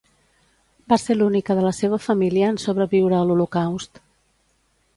Va ser l'única de la seva família en sobreviure a l'Holocaust.